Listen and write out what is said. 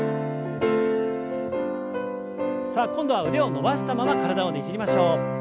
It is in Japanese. さあ今度は腕を伸ばしたまま体をねじりましょう。